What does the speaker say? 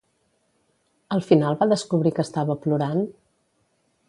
Al final va descobrir que estava plorant?